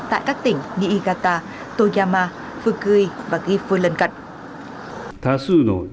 tại các tỉnh niigata toyama fukui và gifu lần cận